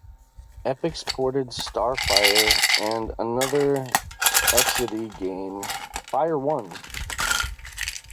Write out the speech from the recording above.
Epyx ported "Star Fire" and another Exidy game, "Fire One!